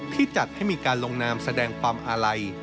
จัดให้มีการลงนามแสดงความอาลัย